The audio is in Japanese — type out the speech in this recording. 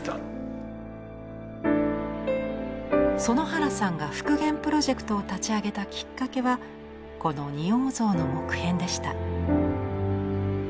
園原さんが復元プロジェクトを立ち上げたきっかけはこの仁王像の木片でした。